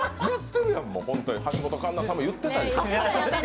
橋本環奈さんも言ってたやん。